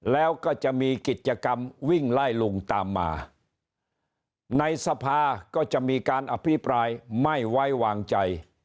แล้วก็จะมีกิจกรรมวิ่งไล่ลุงตามมาในสภาก็จะมีการอภิปรายไม่ไว้วางใจ